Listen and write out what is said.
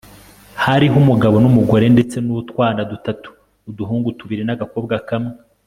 hariho umugabo numugore ndetse nutwana dutatu, uduhungu tubiri nagakobwa kamwe